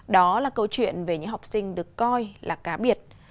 đó là câu chuyện về những học sinh được coi là cá biệt